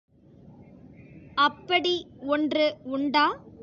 அப்படி ஒன்று உண்டா?